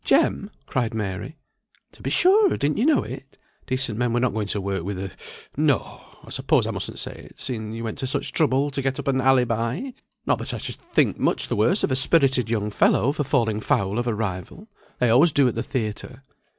Jem?" cried Mary. "To be sure! didn't you know it? Decent men were not going to work with a no! I suppose I mustn't say it, seeing you went to such trouble to get up an alibi; not that I should think much the worse of a spirited young fellow for falling foul of a rival, they always do at the theatre."